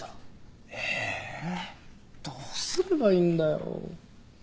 えどうすればいいんだよ。